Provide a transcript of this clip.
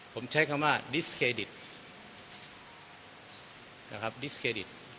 ผมใช้คำว่าดิสเครดิตนะครับดิสเครดิต